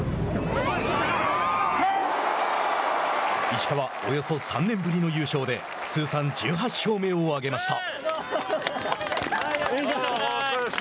石川、およそ３年ぶりの優勝で通算１８勝目を挙げました。